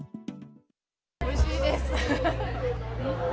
おいしいです。